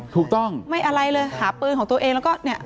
ถูกต้องไม่อะไรเลยหาปืนของตัวเองแล้วก็เนี่ย